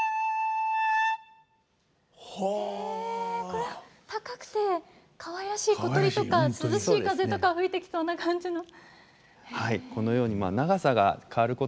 これ高くてかわいらしい小鳥とか涼しい風とか吹いてきそうな感じの。